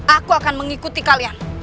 aku akan mengikuti kalian